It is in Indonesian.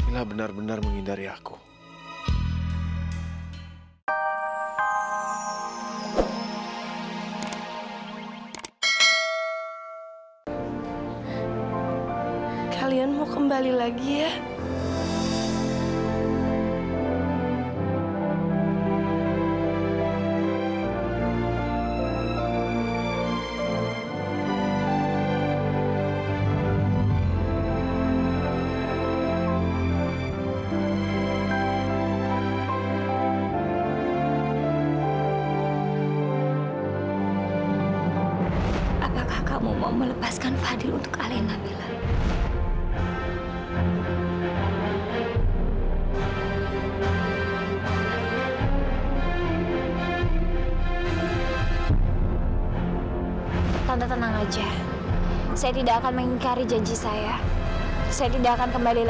sampai jumpa di video selanjutnya